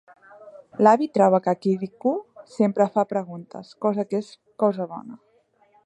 L'avi troba que Kirikou sempre fa preguntes, cosa que és una cosa bona.